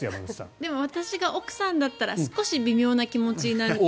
でも私が奥さんだったら少し微妙な気持ちになる。